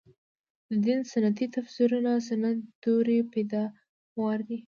د دین سنتي تفسیرونه سنت دورې پیداوار دي.